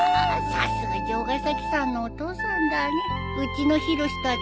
さすが城ヶ崎さんのお父さんだねえ。